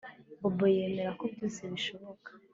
Bobo yemera ko byose bishoboka